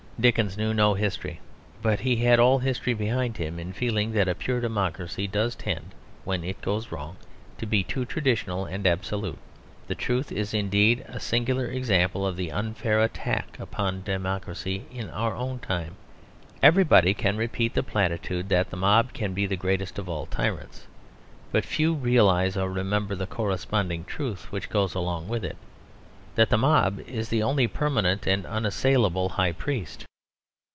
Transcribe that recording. Dickens knew no history, but he had all history behind him in feeling that a pure democracy does tend, when it goes wrong, to be too traditional and absolute. The truth is indeed a singular example of the unfair attack upon democracy in our own time. Everybody can repeat the platitude that the mob can be the greatest of all tyrants. But few realise or remember the corresponding truth which goes along with it that the mob is the only permanent and unassailable high priest.